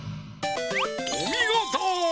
おみごと！